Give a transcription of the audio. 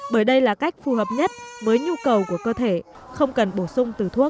bởi đây là cách phù hợp nhất với nhu cầu của cơ thể không cần bổ sung từ thuốc